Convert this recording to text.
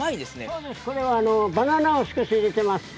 そうです、バナナを少し入れています。